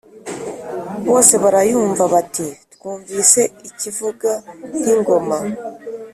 bose barayumva bati: "twumvise ikivuga nk' ingoma